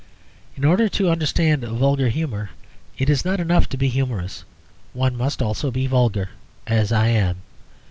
In order to understand vulgar humour it is not enough to be humorous. One must also be vulgar, as I am.